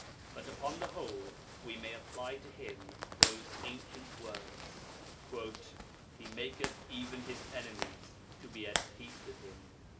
But upon the whole we may apply to him those ancient words: 'He maketh even his enemies to be at peace with him.'